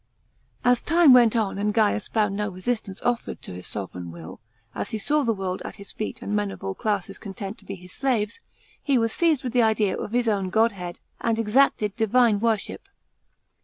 As time went on and Gaius found no resistance offered to his sovran will, as he saw the world at his feet and men of all classes content to be his slaves, he was seized with the idea of his own godhead, and exacted divine worship.